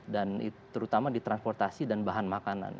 dan terutama di transportasi dan bahan makanan